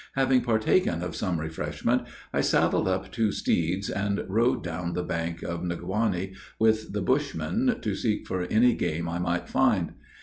Having partaken of some refreshment, I saddled up two steeds and rode down the bank of Ngotwani, with the Bushman, to seek for any game I might find.